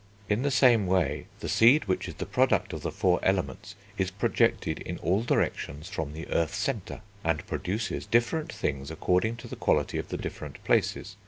In the same way, the seed which is the product of the four Elements is projected in all directions from the earth centre, and produces different things, according to the quality of the different places.